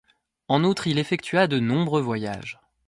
En outre, il effectua de nombreux voyages.